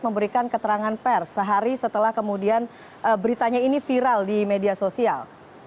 memberikan keterangan pers sehari setelah kemudian beritanya ini viral di media sosial